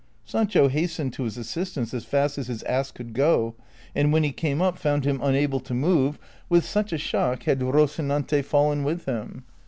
Sancho hastened to his assistance as fast as his ass could go, and when he came up found him unable to move, with such a shock had Koci nante fallen with him.